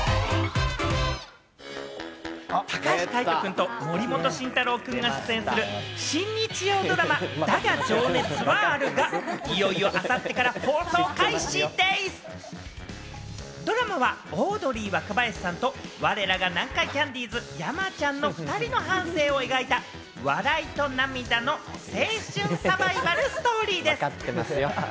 高橋海人君と森本慎太郎君が出演する新日曜ドラマ『だが、情熱はある』が、いよいよ明後日から放送開始でぃす！ドラマはオードリー・若林さんと、我らが南海キャンディーズ・山ちゃんの２人の半生を描いた笑いと涙の青春サバイバルストーリーです。